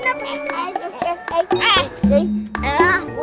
aku mau ke ganteng